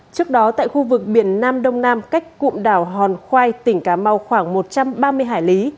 trước đó tại khu vực biển nam đông nam cách cụm đảo hòn khoai tỉnh cà mau khoảng một trăm ba mươi hải lý